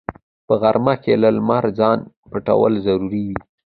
په غرمه کې له لمره ځان پټول ضروري وي